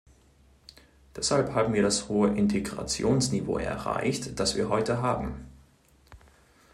Deshalb haben wir das hohe Integrationsniveau erreicht, das wir heute haben.